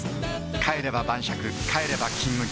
帰れば晩酌帰れば「金麦」